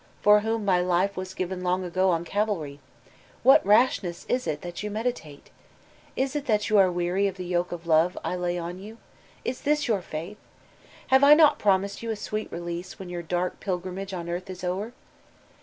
For whom my life was given loQg ago on Calvary I What rashness is it that 402 iVOLTAntlNE DB ClEYKB you meditate ? Is it that you are weary of the yoke of love I lay on you? Is Uiis your faith? Have I not promised you a sweet release when your dark pilgrimage on earth is o'er?